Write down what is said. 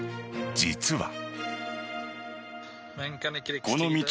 実は。